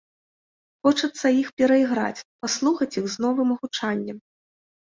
Хочацца іх перайграць, паслухаць іх з новым гучаннем.